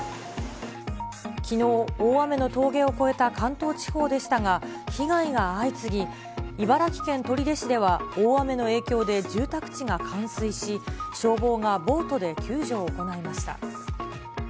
きのう、大雨の峠を越えた関東地方でしたが、被害が相次ぎ、茨城県取手市では、大雨の影響で住宅地が冠水し、消防がボートで救助を行いました。